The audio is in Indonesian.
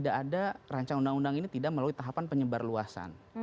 dalam tahapannya tidak ada ruu ini tidak melalui tahapan penyebar luasan